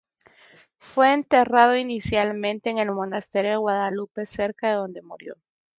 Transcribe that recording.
Fue enterrado inicialmente en el Monasterio de Guadalupe, cerca de donde murió.